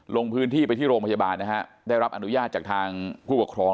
ลงพื้นที่ไปที่โรงพยาบาลนะฮะได้รับอนุญาตจากทางผู้ปกครอง